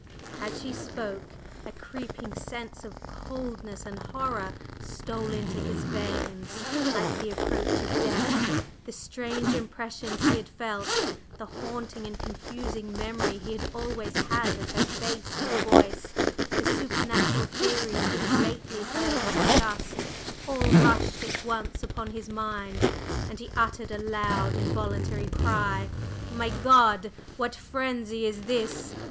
As she spoke, a creeping sense of coldness and horror stole into his veins like the approach of death, the strange impressions he had felt, the haunting and confusing memory he had always had of her face and voice, the supernatural theories he had lately heard discussed, all rushed at once upon his mind, and he uttered a loud involuntary cry. "My God! What frenzy is this!